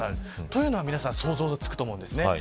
というのは皆さん想像がつくと思うんですね。